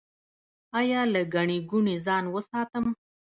ایا له ګڼې ګوڼې ځان وساتم؟